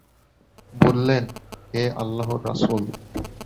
বললেন, হে আল্লাহর রাসূল!